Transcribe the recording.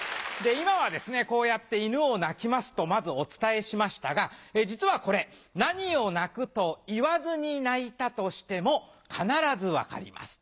今はですねこうやって「犬を鳴きます」とまずお伝えしましたが実はこれ何を鳴くと言わずに鳴いたとしても必ず分かります。